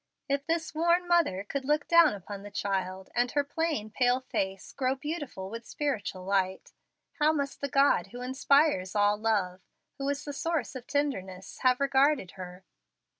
If this worn mother could look down upon the child, and her plain, pale face grow beautiful with spiritual light, how must the God who inspires all love who is the source of tenderness have regarded her?